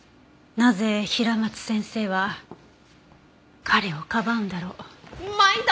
なぜ平松先生は彼をかばうんだろう？まいど！